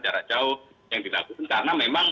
jarak jauh yang dilakukan karena memang